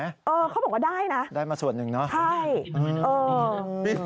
เออเขาบอกว่าได้นะใช่เออเออครู